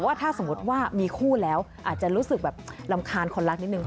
ว่าถ้าสมมุติว่ามีคู่แล้วอาจจะรู้สึกแบบรำคาญคนรักนิดนึง